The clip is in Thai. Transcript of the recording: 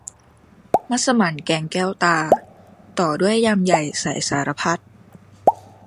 มัสหมั่นแกงแก้วตา ต่อด้วยยำใหญ่ใส่สารพัด